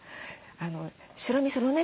白みそのね